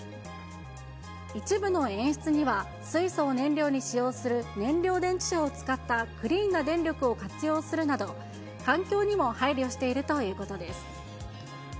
一部の演出には、水素を燃料に使用する燃料電池車を使ったクリーンな電力を活用するなど、環境にも配慮しているということです。